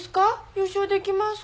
優勝できますか？